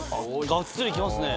がっつりいきますね。